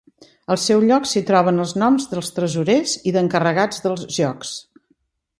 Al seu lloc s'hi troben els noms dels tresorers i d'encarregats dels jocs.